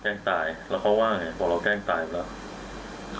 ตายแล้วเขาว่าไงพอเราแกล้งตายแล้ว